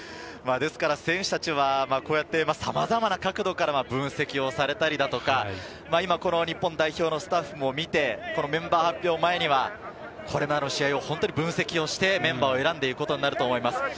ですから選手たちはこうやってさまざまな角度から分析をされたりだとか、今、日本代表のスタッフも見てこのメンバー発表前には、こういうもので分析してメンバーを選んでいくことになると思います。